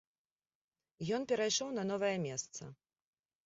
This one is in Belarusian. Ён перайшоў на новае месца.